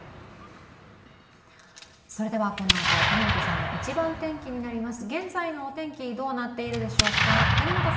このあとは國本さんの「イチバン天気」になります。